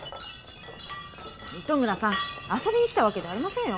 糸村さん遊びに来たわけじゃありませんよ。